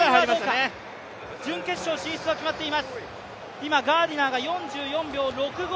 今、ガーディナーが４４秒６５。